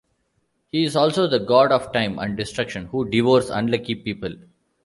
He is also the god of time and destruction, who devours unlucky people.